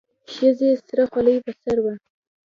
ښځې سره خولۍ په سر وه.